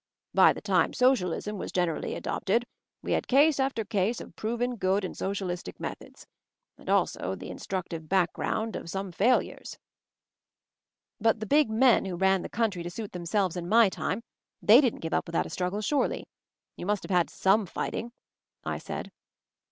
"By the time Socialism was generally adopted we had case after case of proven ' good in Socialistic methods; and also the instructive background of some failures." "But the big men who ran the country to suit themselves in my time, they didn't give up without a struggle surely? You must have had some fighting," I said.